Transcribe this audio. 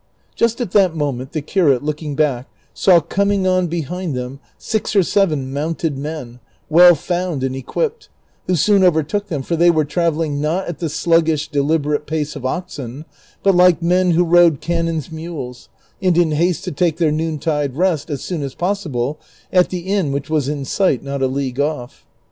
Just at that moment the evirate, looking back, saw coming on behind them six or seven mounted men, well found and equipped, who soon overtook them, for they were travelling, not at the sluggish, deliberate pace of oxen, but like men who rode canons' mules, and in haste to take their noontide rest as soon as pos sible at the inn which was in sight not a league off.